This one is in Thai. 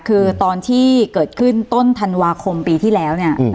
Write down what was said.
คือตอนที่เกิดขึ้นต้นธันวาคมปีที่แล้ว